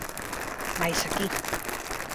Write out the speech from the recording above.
Máis aquí.